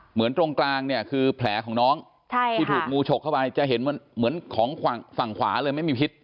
ตรงกลางเนี่ยคือแผลของน้องที่ถูกงูฉกเข้าไปจะเห็นเหมือนของฝั่งขวาเลยไม่มีพิษ